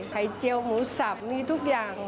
เจียวหมูสับมีทุกอย่าง